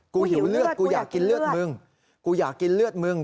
กูหิวเลือดกูอยากกินเลือดมึง